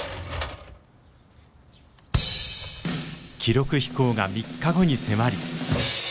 記録飛行が３日後に迫り。